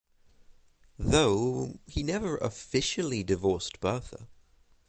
Though he never officially divorced Bertha.